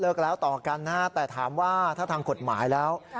เลิกแล้วต่อกันแต่ถามว่าถ้าทางกฎหมายแล้ว